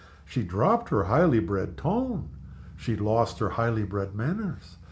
She dropped her highly bred tone; she lost her highly bred manners.